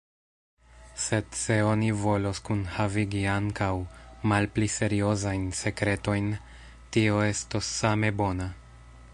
Sed se oni volos kunhavigi ankaŭ malpli seriozajn sekretojn, tio estos same bona.